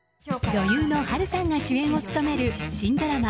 女優の波瑠さんが主演を務める新ドラマ